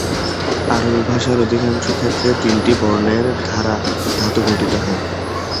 আরবি ভাষায় অধিকাংশ ক্ষেত্রে তিনটি বর্ণের দ্বারা ধাতু গঠিত হয়।